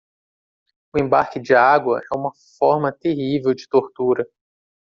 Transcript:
O embarque de água é uma forma terrível de tortura.